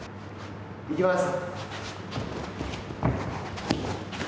行きます。